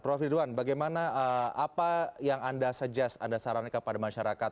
prof ridwan bagaimana apa yang anda saran kepada masyarakat